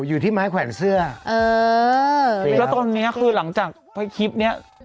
อยู่ที่ไม้แขวนเสื้อเออแล้วตอนเนี้ยคือหลังจากคลิปเนี้ย